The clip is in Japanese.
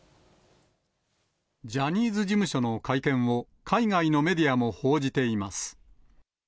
ジャニーズ事務所の会見を海外のメディアも報じています。